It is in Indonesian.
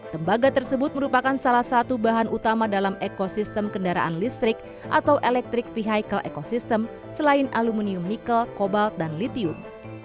tembaga tersebut merupakan salah satu bahan utama dalam ekosistem kendaraan listrik atau electric vehicle ekosistem selain aluminium nikel kobalt dan litium